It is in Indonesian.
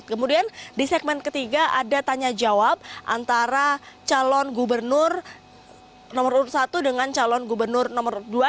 kemudian di segmen ketiga ada tanya jawab antara calon gubernur nomor urut satu dengan calon gubernur nomor dua